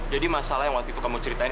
jadi masalah yang waktu itu kamu ceritain